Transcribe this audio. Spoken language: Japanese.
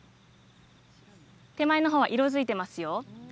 手前の方が色づいていますよ。